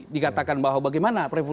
dikatakan bahwa bagaimana